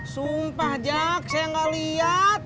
sumpah jack saya nggak lihat